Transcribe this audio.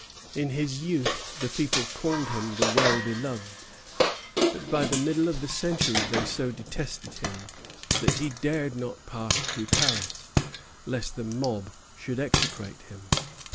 In his youth the people called him the "Well beloved;" but by the middle of the century they so detested him that he dared not pass through Paris, lest the mob should execrate him.